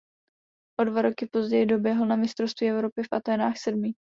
O dva roky později doběhl na mistrovství Evropy v Athénách sedmý.